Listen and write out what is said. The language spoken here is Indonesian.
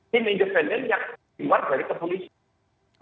tim independen yang keluar dari kepolisian